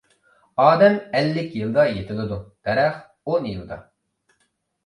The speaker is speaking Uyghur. ئادەم ئەللىك يىلدا يېتىلىدۇ، دەرەخ ئون يىلدا.